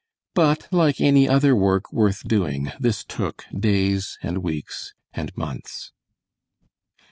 But like any other work worth doing, this took days and weeks and months.